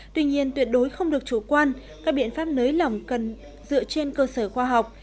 tuy nhiên tuyệt đối không được chủ quan các biện pháp nới lỏng cần dựa trên cơ sở khoa học